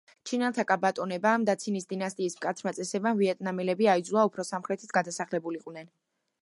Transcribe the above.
ჩინელთა გაბატონებამ და ცინის დინასტიის მკაცრმა წესებმა, ვიეტნამელები აიძულა უფრო სამხრეთით გადასახლებულიყვნენ.